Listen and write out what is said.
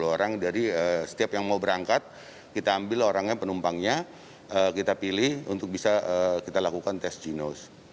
sepuluh orang jadi setiap yang mau berangkat kita ambil orangnya penumpangnya kita pilih untuk bisa kita lakukan tes ginos